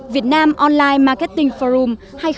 việt nam online marketing forum